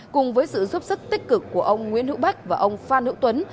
cùng với sự giúp sức tích cực của ông nguyễn hữu bách và ông phan hữu tuấn